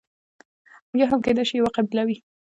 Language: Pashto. یا هم کېدای شي یوه قبیله وي.